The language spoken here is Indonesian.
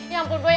ya ampun boy